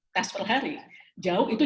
tes per hari jauh itu